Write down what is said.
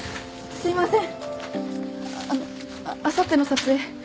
すいません。